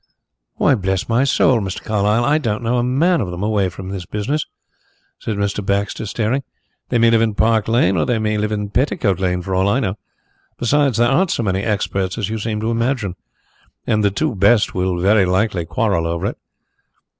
"Why, bless my soul, Mr. Carlyle, I don't know a man of them away from his business," said Mr. Baxter, staring. "They may live in Park Lane or they may live in Petticoat Lane for all I know. Besides, there aren't so many experts as you seem to imagine. And the two best will very likely quarrel over it.